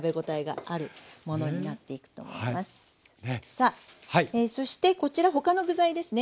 さあそしてこちら他の具材ですね。